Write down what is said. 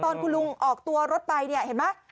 ตอนคุณลุงออกตัวรถไปเนี่ยเห็นไหม